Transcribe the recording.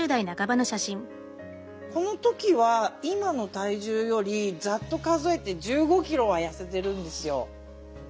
この時は今の体重よりざっと数えて１５キロは痩せてるんですよ。